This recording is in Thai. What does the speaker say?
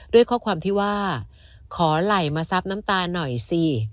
ด้วยข้อความที่ว่าขอไหลมาซับน้ำตาหน่อยสิ